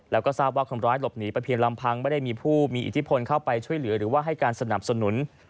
แล้วก็ทราบว่าคนร้ายหลบหนีไปเพียงลำพังไม่ได้มีผู้มีอิทธิพลเข้าไปช่วยเหลือหรือว่าให้การสนับสนุน